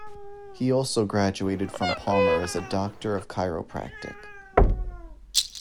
He also graduated from Palmer as a Doctor of Chiropractic.